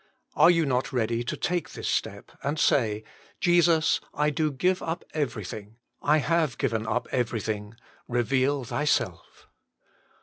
Are you not ready to take this step and say: << Jesus! I do give up everything; I have given up everything; reveal Thy self."